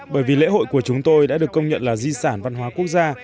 bởi vì lễ hội của chúng tôi đã được công nhận là di sản văn hóa quốc gia